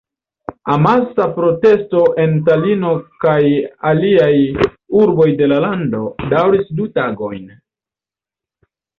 Amasa protesto en Talino kaj aliaj urboj de la lando daŭris du tagojn.